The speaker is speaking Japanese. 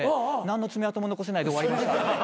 何の爪痕も残せないで終わりました。